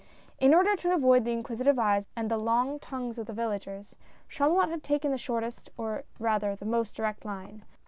In order to avoid the inquisitive eyes and the long tongues of the villagers, Chamulot had taken the short est, or rather the most direct line.